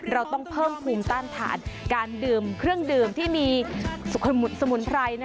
เราต้องเพิ่มภูมิต้านทานการดื่มเครื่องดื่มที่มีสมุนไพร